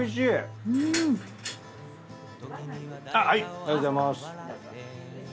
ありがとうございます。